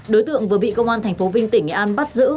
đối tượng vừa bị công an tp vinh tỉnh nghệ an bắt giữ